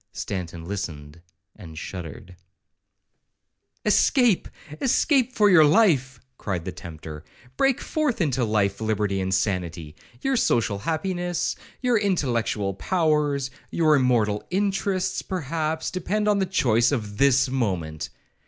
Stanton listened, and shuddered 'Escape—escape for your life,' cried the tempter; 'break forth into life, liberty, and sanity. Your social happiness, your intellectual powers, your immortal interests, perhaps, depend on the choice of this moment.